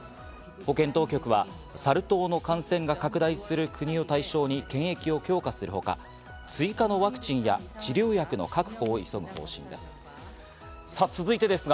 保健当局はサル痘の感染が拡大する国を対象に検疫を強化するほか、追加のワクチンや治療薬の確保を急ぐ方針です。